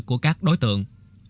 của các đối tượng